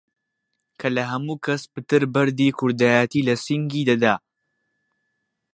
کە لە هەموو کەس پتر بەردی کوردایەتی لە سینگی دەدا!